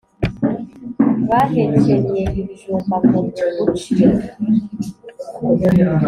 Bahekenye ibijumba ngo muguci